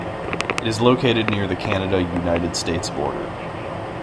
It is located near the Canada-United States border.